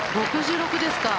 ６６ですか。